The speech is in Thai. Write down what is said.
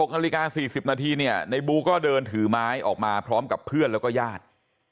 นาฬิกา๔๐นาทีเนี่ยในบูก็เดินถือไม้ออกมาพร้อมกับเพื่อนแล้วก็ญาติ